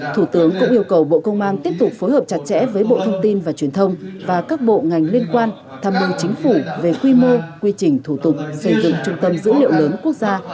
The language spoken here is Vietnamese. thủ tướng cũng yêu cầu bộ công an tiếp tục phối hợp chặt chẽ với bộ thông tin và truyền thông và các bộ ngành liên quan tham mưu chính phủ về quy mô quy trình thủ tục xây dựng trung tâm dữ liệu lớn quốc gia